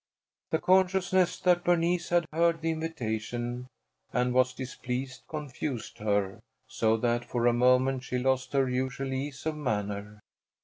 The consciousness that Bernice had heard the invitation and was displeased, confused her so that for a moment she lost her usual ease of manner.